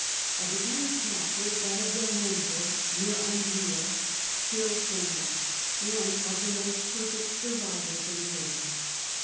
Of his many castles that of del Monte, near Andria, still stands, one of the most perfect survivals in Italy.